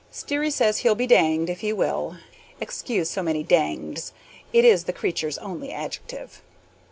Sterry says he'll be danged if he will. (Excuse so many DANGEDS. It is the creature's only adjective.)